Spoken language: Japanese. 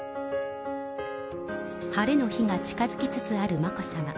晴れの日が近づきつつある眞子さま。